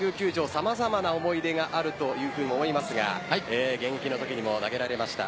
様々な思い出があるというふうに思いますが現役のときにも投げられました。